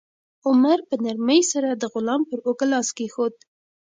عمر په نرمۍ سره د غلام پر اوږه لاس کېښود.